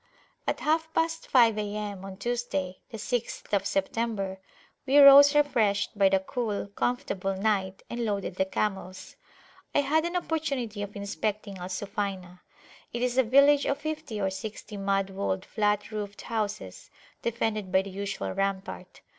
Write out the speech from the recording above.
At half past five A.M. on Tuesday, the 6th of September, we rose refreshed by the cool, comfortable night, and loaded the camels. I had an opportunity of inspecting Al Sufayna. It is a village of fifty or sixty mud walled, flat roofed houses, defended by the usual rampart.